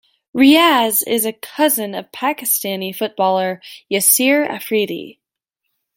Riaz is a cousin of Pakistani footballer Yasir Afridi.